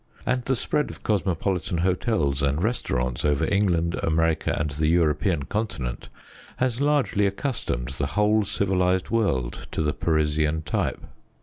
And the spread of cosmopolitan hotels and restaurants over England, America and the European continent, has largely accustomed the whole civilized world to the Parisian type.